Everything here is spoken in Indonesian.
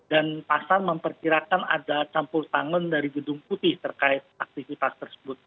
dan pasar memperkirakan ada campur tangan dari gedung putih terkait aktivitas tersebut